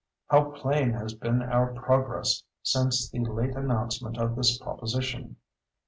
How plain has been our progress since the late announcement of this proposition!